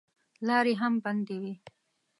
لارې هم بندې وې.